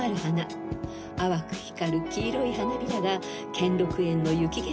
［淡く光る黄色い花びらが兼六園の雪化粧を彩ります］